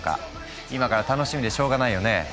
今から楽しみでしょうがないよね。